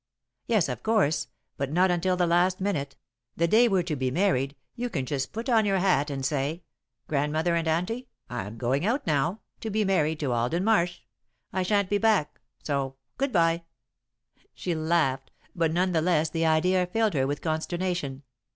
"Yes, of course, but not until the last minute. The day we're to be married, you can just put on your hat and say: 'Grandmother, and Aunty, I'm going out now, to be married to Alden Marsh. I shan't be back, so good bye." She laughed, but none the less the idea filled her with consternation.